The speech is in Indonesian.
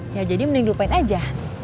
ya jadi mending lupain aja